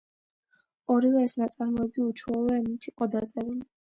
ორივე ეს ნაწარმოები უჩვეულო ენით იყო დაწერილი.